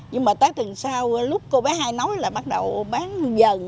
nhưng mà tới tuần sau lúc cô bé hai nói là bắt đầu bán dần